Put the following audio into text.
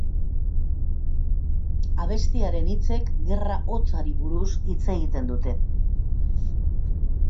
Abestiaren hitzek Gerra Hotzari buruz hitz egiten dute.